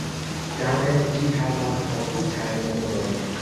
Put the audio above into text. Tamen ĝi havas maldikajn murojn.